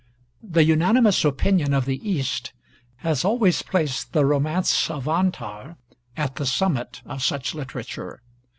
The unanimous opinion of the East has always placed the romance of 'Antar' at the summit of such literature.